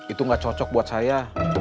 itu gak cocok buat saya